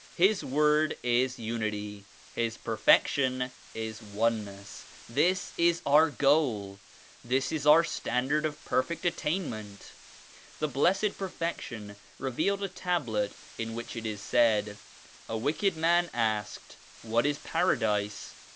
His Word is Unity. His Perfection is Oneness. This is our goal. This is our standard of perfect at : 102 tainment The Blessed Perfection revealed a Tablet in which it is said "A wicked man asked *What is Paradise?'